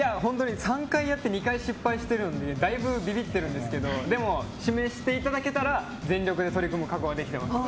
３回やって２回失敗してるのでだいぶビビってるんですけど指名していただけたら全力で取り組む覚悟ができています。